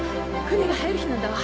船が入る日なんだわ。